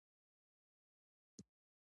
دا ډول عصبیت ژبې ته خدمت نه دی.